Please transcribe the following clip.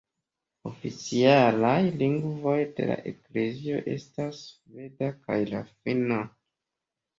Oficialaj lingvoj de la eklezio estas la sveda kaj la finna.